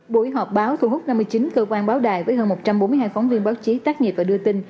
buổi họp báo thu hút năm mươi chín cơ quan báo đài với hơn một trăm bốn mươi hai phóng viên báo chí tác nghiệp và đưa tin